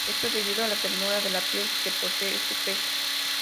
Esto debido a la textura de la piel que posee este pez.